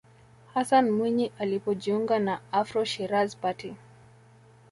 hassan mwinyi alipojiunga na afro shiraz party